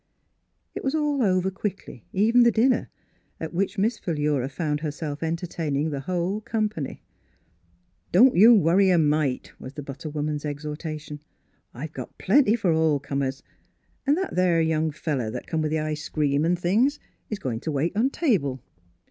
It was all over quickly; even the din ner, at which Miss Philura found herself entertaining the whole company. " Don't you worry a mite," was the butter woman's exhortation. " I've got a M2SS Fhilura's Wedding Goivn plenty for all comers, an' that there young feller that come with the ice cream an' things is goin' to wait on table.